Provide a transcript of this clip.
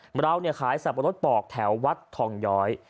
คนเราเนี่ยขายสรรพโรธเปากแถววัสด์ทองยอย